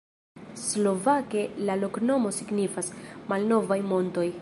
Slovake la loknomo signifas: malnovaj montoj.